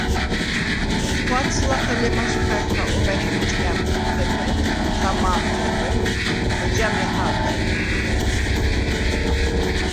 ცხვადს ლახე ლემასგვხა̈ნქა ობა̈შ მჷჭკა̈მ ხეფვე̄ნთი ი ქა მა̄მ ხეღრენი, ეჯა მეჰა̄ვდა̈რდ ლი.